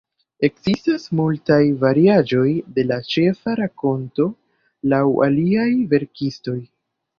Ekzistas multaj variaĵoj de la ĉefa rakonto laŭ aliaj verkistoj.